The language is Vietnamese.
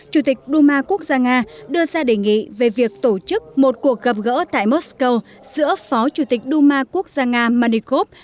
chủ tịch đu ma quốc gia nga đưa ra đề nghị về việc tổ chức một cuộc gặp gỡ tại mosco giữa phó chủ tịch đu ma quốc gia nga manikov